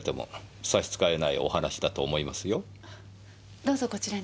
どうぞこちらに。